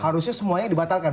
harusnya semuanya dibatalkan